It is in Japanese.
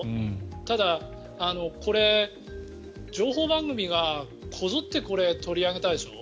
ただ、これ、情報番組がこぞって取り上げたでしょう。